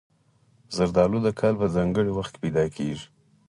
زردالو د کال په ځانګړي وخت کې پیدا کېږي.